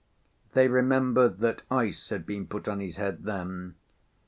They remembered that ice had been put on his head then.